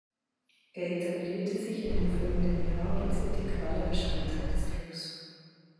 Er etablierte sich in den folgenden Jahren als integraler Bestandteil des Clubs.